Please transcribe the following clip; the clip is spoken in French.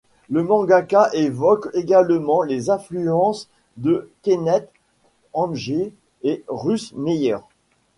Le mangaka évoque également les influences de Kenneth Anger et Russe Meyer.